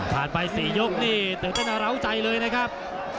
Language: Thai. ไป๔ยกนี่ตื่นเต้นร้าวใจเลยนะครับ